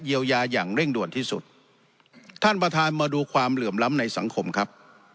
เยียวยาอย่างเร่งด่วนที่สุดท่านประธานมาดูความเหลื่อมล้ำในสังคมครับ